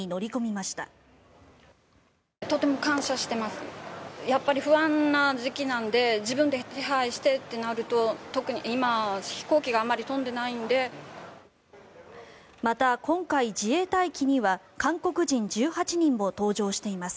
また今回、自衛隊機には韓国人１８人も搭乗しています。